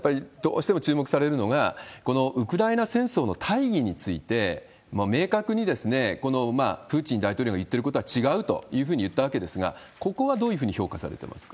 もう一つ、このウクライナ戦争の大義について、明確にプーチン大統領の言ってることは違うというふうに言ったわけですが、ここはどういうふうに評価されてますか？